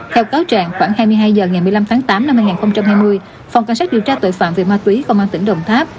theo cáo trạng khoảng hai mươi hai h ngày một mươi năm tháng tám năm hai nghìn hai mươi phòng cảnh sát điều tra tội phạm về ma túy công an tỉnh đồng tháp